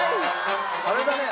あれだね